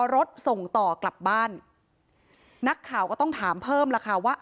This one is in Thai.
รถส่งต่อกลับบ้านนักข่าวก็ต้องถามเพิ่มแล้วค่ะว่า